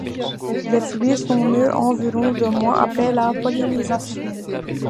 Les fruits sont mûrs environ deux mois après la pollinisation.